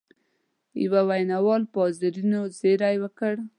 یوه ویناوال پر حاضرینو زېری وکړ.